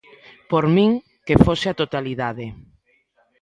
"Por min, que fose a totalidade".